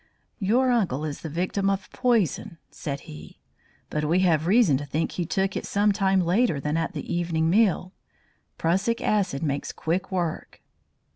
"Your uncle is the victim of poison," said he. "But we have reason to think he took it some time later than at the evening meal. Prussic acid makes quick work."